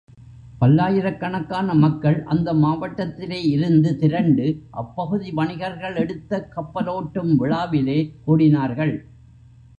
பல்லாயிரக்கணக்கான மக்கள் அந்த மாவட்டத்திலே இருந்து திரண்டு அப்பகுதி வணிகர்கள் எடுத்த கப்பலோட்டும் விழாவிலே கூடினார்கள்.